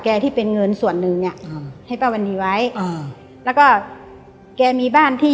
ที่เป็นเงินส่วนหนึ่งเนี้ยอืมให้ป้าวันนี้ไว้อ่าแล้วก็แกมีบ้านที่